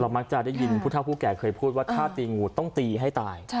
เรามากจะได้ยินพุทธพูดแก่เคยพูดว่าถ้าตีงูตต้องตีให้ตาย